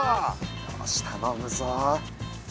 よし頼むぞ。